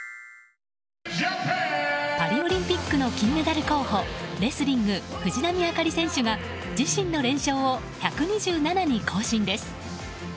パリオリンピックの金メダル候補レスリング藤波朱理選手が自身の連勝を１２７に更新です。